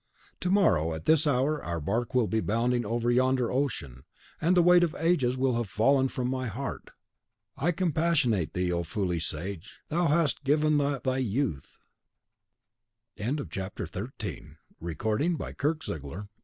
"To morrow, at this hour, our bark will be bounding over yonder ocean, and the weight of ages will have fallen from my heart! I compassionate thee, O foolish sage, THOU hast given up THY youth!" CHAPTER 3.XVII. Alch: Thou always speakest riddles.